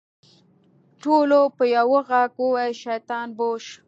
ټولو په يوه ږغ وويل شيطان بوش.